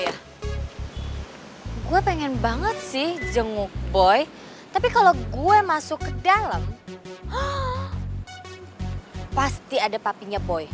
ya gue pengen banget sih jenguk boy tapi kalau gue masuk ke dalam pasti ada papinya boy